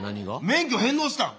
免許返納したん？